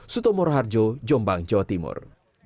sutomoro harjo jombang jawa timur